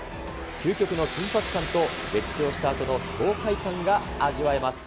究極の緊迫感と絶叫したあとの爽快感が味わえます。